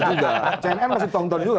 cnn masih tonton juga